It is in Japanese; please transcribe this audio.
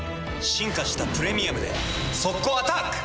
進化した「プレミアム」で速攻アタック！